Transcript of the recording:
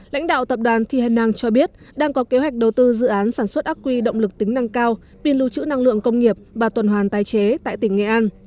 lãnh đạo tập đoàn thi hèn năng cho biết đang có kế hoạch đầu tư dự án sản xuất ác quy động lực tính năng cao pin lưu trữ năng lượng công nghiệp và tuần hoàn tái chế tại tỉnh nghệ an